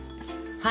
はい！